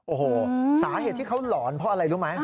โอ้โหสาเหตุที่เขาหลอนเพราะอะไรรู้ไหม